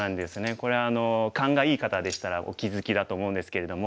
これ勘がいい方でしたらお気付きだと思うんですけれども。